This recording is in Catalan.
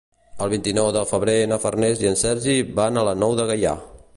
El vint-i-nou de febrer na Farners i en Sergi van a la Nou de Gaià.